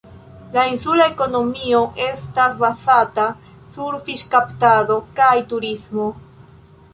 La insula ekonomio estas bazata sur fiŝkaptado kaj turismo.